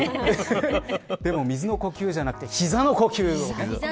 でも水の呼吸じゃなくて膝の呼吸。